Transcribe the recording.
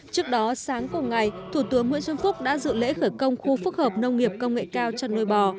trước đó sáng cùng ngày thủ tướng nguyễn xuân phúc đã dự lễ khởi công khu phức hợp nông nghiệp công nghệ cao chăn nuôi bò